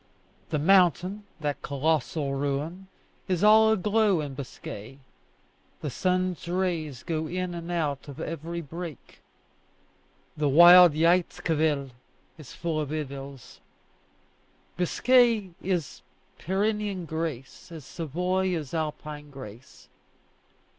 The mountain, that colossal ruin, is all aglow in Biscay: the sun's rays go in and out of every break. The wild Jaïzquivel is full of idylls. Biscay is Pyrenean grace as Savoy is Alpine grace.